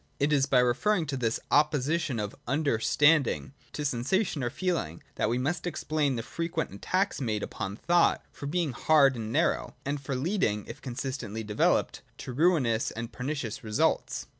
It is by referring to this opposition of Understanding to sensation or feeling that we must explain the frequent attacks made upon thought for being hard and narrow, and for leading, if consistently developed, to ruinous and pernicious results.